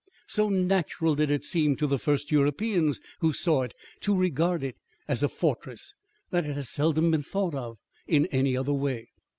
So natural did it seem to the first Europeans who saw it to regard it as a fortress that it has seldom been thought of in any other way.